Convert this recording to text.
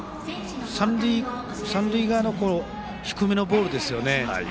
三塁側への低めのボールですね。